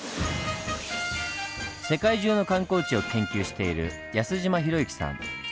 世界中の観光地を研究している安島博幸さん。